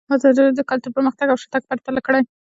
ازادي راډیو د کلتور پرمختګ او شاتګ پرتله کړی.